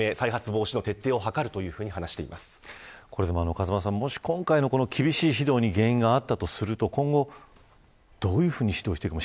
風間さん、もし今回の厳しい指導に原因があったとすると今後どういうふうに指導していくか。